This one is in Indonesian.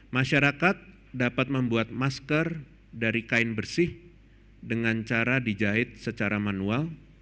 masyarakat dapat membuat masker dari kain bersih dengan cara dijahit secara manual